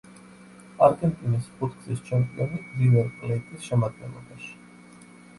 არგენტინის ხუთგზის ჩემპიონი „რივერ პლეიტის“ შემადგენლობაში.